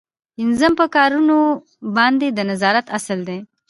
پنځم په کارونو باندې د نظارت اصل دی.